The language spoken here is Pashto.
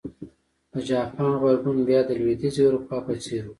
د جاپان غبرګون بیا د لوېدیځې اروپا په څېر و.